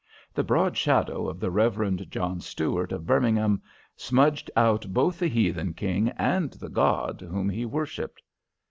The broad shadow of the Reverend John Stuart, of Birmingham, smudged out both the heathen King and the god whom he worshipped.